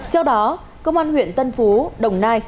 trong đó công an huyện tân phú đồng nai